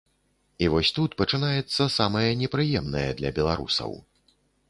І вось тут пачынаецца самае непрыемнае для беларусаў.